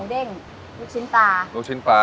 เด้งลูกชิ้นปลาลูกชิ้นปลา